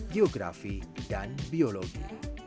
geografi dan biologi